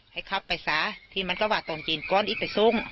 ให้เข้าไปซ้าทีมันก็ว่าตอนจีนก้อนอีกแต่ซุ่ง